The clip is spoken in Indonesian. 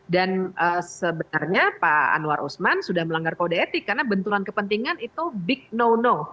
dan sebenarnya pak anwar usman sudah melanggar kode etik karena benturan kepentingan itu big no no